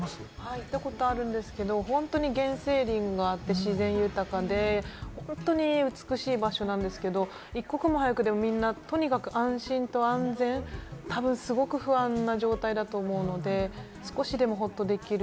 行ったことあるんですけれども、原生林があって自然豊かで、本当に美しい場所なんですけれども、一刻も早くみんなとにかく安心と安全、たぶん、すごく不安な状態だと思うので、少しでもほっとできる。